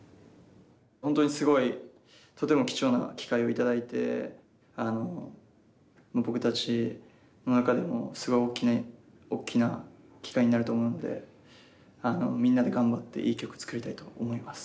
本当にすごいとても貴重な機会を頂いて僕たちの中でもすごい大きな機会になると思うのでみんなで頑張っていい曲作りたいと思います